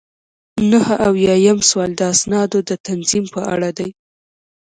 نهه اویایم سوال د اسنادو د تنظیم په اړه دی.